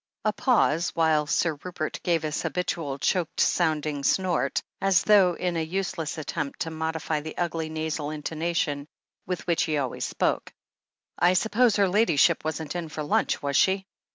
A pause, while Sir Rupert gave his habitual, choked sounding snort, as though in a useless attempt to modify the ugly nasal intonation with which he always spoke. I suppose her Ladyship wasn't in for lunch, was she?"